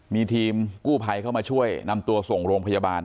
มีทีมกู้ภัยเข้ามาช่วยนำตัวส่งโรงพยาบาล